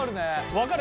分かる。